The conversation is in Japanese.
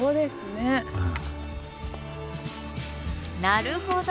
なるほど。